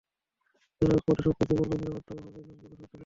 তাঁরা অকপটে সবকিছু বললেও নিরাপত্তার অভাবে নাম প্রকাশ করতে রাজি হননি।